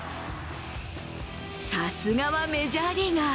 さすがはメジャーリーガー。